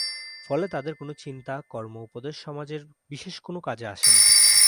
ফলে তাদের কোনো চিন্তা-কর্ম-উপদেশ সমাজের বিশেষ কোনো কাজে আসে না।